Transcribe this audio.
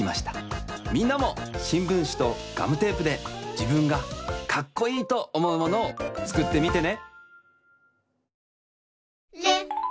みんなもしんぶんしとガムテープでじぶんがかっこいいとおもうものをつくってみてね。